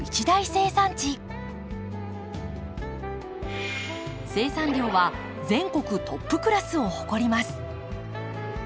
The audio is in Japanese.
生産量は全国トップクラスを誇ります。